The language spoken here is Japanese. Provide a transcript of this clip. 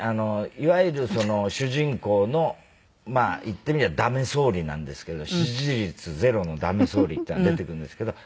いわゆるその主人公のまあ言ってみればダメ総理なんですけど支持率ゼロのダメ総理っていうのが出てくるんですけど。